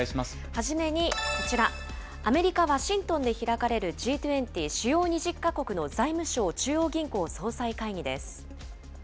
初めにこちら、アメリカ・ワシントンで開かれるＧ２０・主要２０か国の財務相・中央銀行総裁会議です。